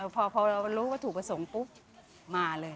พอเรารู้ว่าถูกประสงค์ปุ๊บมาเลย